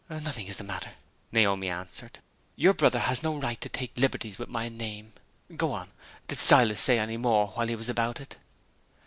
"Nothing is the matter," Naomi answered. "Your brother has no right to take liberties with my name. Go on. Did Silas say any more while he was about it?"